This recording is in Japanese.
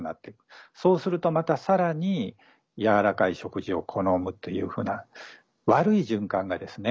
そうするとまた更にやわらかい食事を好むというふうな悪い循環がですね